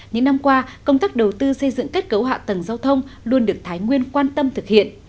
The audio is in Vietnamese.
những năm qua công tác đầu tư xây dựng kết cấu hạ tầng giao thông luôn được thái nguyên quan tâm thực hiện